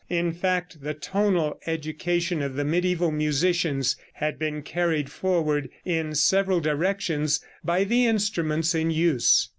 In fact, the tonal education of the mediæval musicians had been carried forward in several directions by the instruments in use.